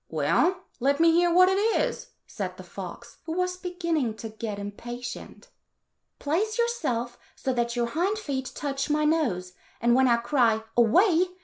"Well, let me hear what it is," said the fox, who was beginning to get impatient. "Place yourself so that your hind feet touch my nose, and when I cry, ' Away